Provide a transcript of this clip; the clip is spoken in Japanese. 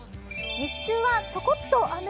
日中はちょこっと雨。